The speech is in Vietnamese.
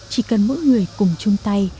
chỉ cần mỗi người cùng chung tay